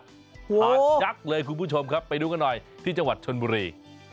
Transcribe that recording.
ทานยักษ์เลยคุณผู้ชมครับไปดูกันหน่อยที่จังหวัดชนบุรี